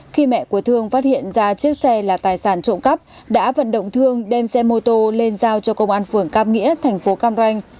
khi mẹ của thương phát hiện ra chiếc xe là tài sản trộm cắp đã vận động thương đem xe mô tô lên giao cho công an phường cam nghĩa thành phố cam ranh